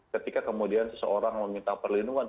ketika kemudian seseorang meminta perlindungan